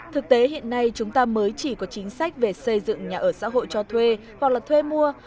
thực tế hiện nay chúng ta mới chỉ có chính sách về xây dựng nhà ở xã hội cho thuê hoặc là thuê mua